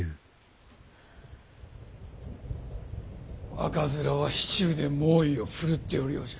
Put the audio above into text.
赤面は市中で猛威を振るっておるようじゃ。